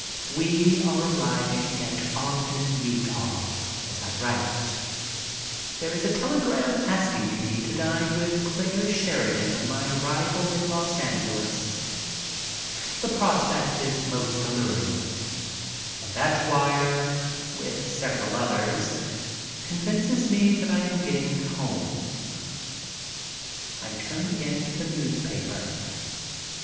We are arriving at Ogden, Utah, as I write. There is a telegram asking me to dine with Clare Sheridan on my arrival in Los Angeles. The prospect is most alluring. And that wire, with several others, convinces me that I am getting home. I turn again to the newspaper.